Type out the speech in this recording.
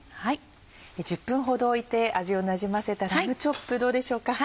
１０分ほどおいて味をなじませたラムチョップどうでしょうか？